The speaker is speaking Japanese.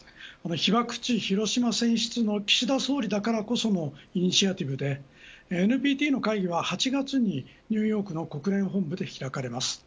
被爆地広島選出の岸田総理だからこそのイニシアチブでＮＰＴの会議には８月にニューヨークの国連本部で開かれます。